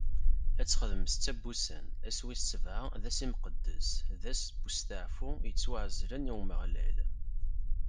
Ad txeddmem setta n wussan, ass wis sebɛa d ass imqeddes, d ass n usteɛfu yettwaɛezlen i Umeɣlal.